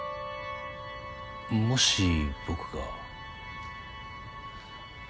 もし僕が。